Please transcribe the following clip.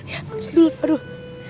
ya tidur aduh